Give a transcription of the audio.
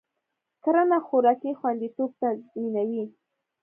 کرنه خوراکي خوندیتوب تضمینوي.